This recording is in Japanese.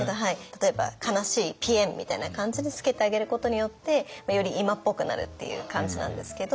例えば「悲しいぴえん」みたいな感じでつけてあげることによってより今っぽくなるっていう感じなんですけど。